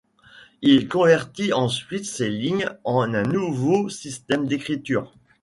Il convertit ensuite ces signes en un nouveau système d'écriture.